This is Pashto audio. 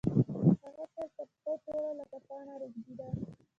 هغه سر تر پښو ټوله لکه پاڼه رېږدېده.